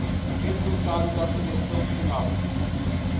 Resultado da seleção final